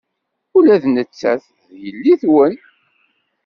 Ula d nettat d yelli-twen.